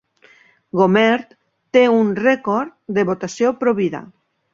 Gohmert té un rècord de votació Pro-vida.